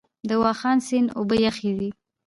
د واخان سیند اوبه یخې دي؟